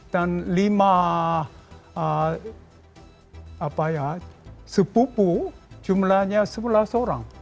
dan lima apa ya sepupu jumlahnya sebelas orang